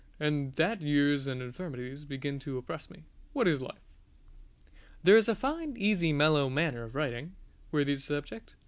and that years and infirmities begin to oppress me What is life! There is a fine, easy, mellow manner of writing, worthy the subject.